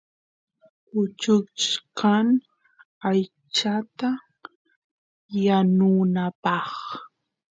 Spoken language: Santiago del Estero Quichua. kuchuchkan aychata yanunapaq